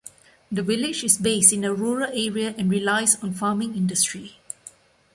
The village is based in a rural area and relies on farming industry.